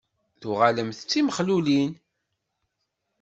Tuɣalemt d timexlulin?